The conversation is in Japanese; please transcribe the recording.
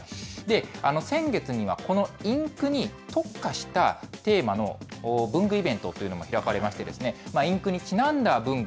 先月には、このインクに特化したテーマの文具イベントというのも開かれまして、インクにちなんだ文具